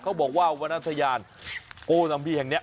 เขาบอกว่าวันอันทรยานโกสังพี่แห่งนี้